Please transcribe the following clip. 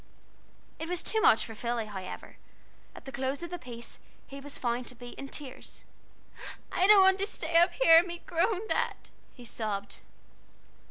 It was too much for Philly, however. At the close of the piece he was found to be in tears. "I don't want to st a a y up here and be groaned at," he sobbed.